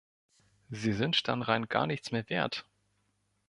Sie sind dann rein gar nichts mehr wert!